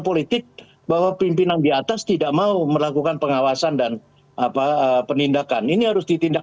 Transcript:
politik bahwa pimpinan di atas tidak mau melakukan pengawasan dan apa penindakan ini harus ditindak